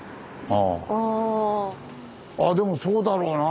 ああでもそうだろうな。